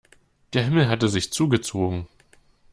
Der Himmel hatte sich zugezogen.